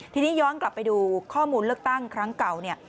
ทีนี้ย้อนกลับไปดูข้อมูลเลือกตั้งครั้งเก่าเนี่ย